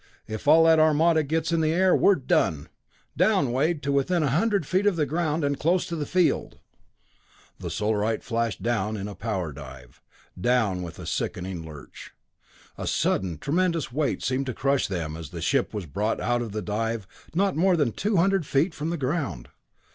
If all that armada gets in the air, we're done! Down, Wade, to within a few hundred feet of the ground, and close to the field!" The Solarite flashed down in a power dive down with a sickening lurch. A sudden tremendous weight seemed to crush them as the ship was brought out of the dive not more than two hundred feet from the ground.